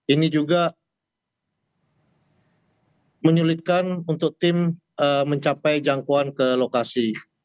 ini juga menyulitkan untuk tim mencapai jangkauan ke lokasi